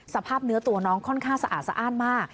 สภาพเนื้อตัวน้องค่อนข้างสะอาดสะอ้านมาก